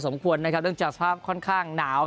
ต้องประสงค์สมควรนะครับต้องจากภาพข้อนข้างหนาว